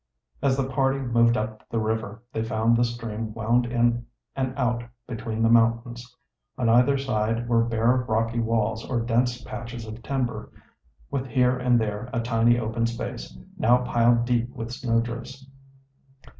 As the party moved up the river they found the stream wound in and out between the mountains On either side were bare rocky walls or dense patches of timber, with here and there a tiny open space, now piled deep with snowdrifts.